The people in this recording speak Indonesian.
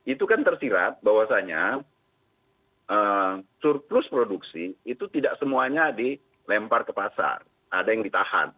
itu kan tersirat bahwasannya surplus produksi itu tidak semuanya dilempar ke pasar ada yang ditahan